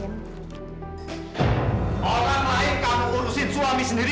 orang lain kalau urusin suami sendiri